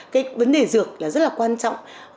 cái vấn đề dược là rất là quan trọng